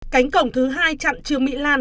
cánh cổng thứ hai chặn trương mỹ lan